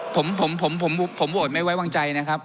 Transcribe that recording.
ผมผมโหวตไม่ไว้วางใจนะครับ